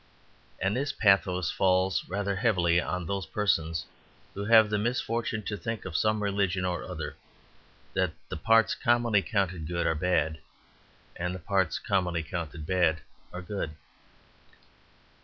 And this pathos falls rather heavily on those persons who have the misfortune to think of some religion or other, that the parts commonly counted good are bad, and the parts commonly counted bad are good.